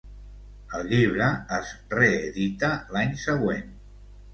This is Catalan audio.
El llibre es reedita l'any següent.